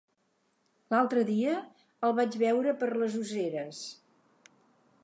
L'altre dia el vaig veure per les Useres.